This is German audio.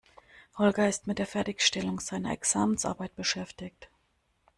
Holger ist mit der Fertigstellung seiner Examensarbeit beschäftigt.